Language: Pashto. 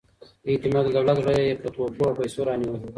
د اعتمادالدولة زړه یې په تحفو او پیسو رانیوی.